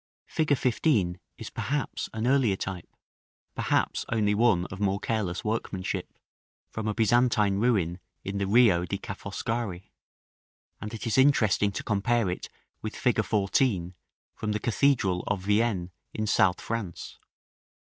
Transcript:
Fig. 15 is perhaps an earlier type; perhaps only one of more careless workmanship, from a Byzantine ruin in the Rio di Ca' Foscari: and it is interesting to compare it with fig. 14 from the Cathedral of Vienne, in South France.